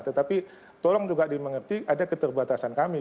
tetapi tolong juga dimengerti ada keterbatasan kami